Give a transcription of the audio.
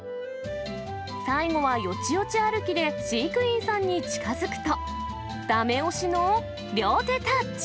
最後はよちよち歩きで飼育員さんに近づくと、だめ押しの両手タッチ。